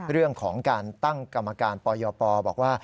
เรื่องของการตั้งกรรมการปยปบอกว่า